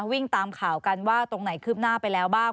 วิ่งตามข่าวกันว่าตรงไหนคืบหน้าไปแล้วบ้าง